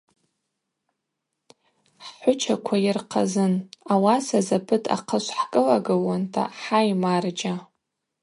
Хӏхӏвычаква йырхъазын, ауаса запыт ахъышв хӏкӏылагылуанта – Хӏай, марджьа.